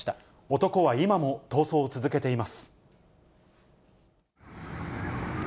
男は今も逃走を続けています。